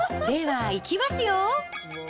では、いきますよ。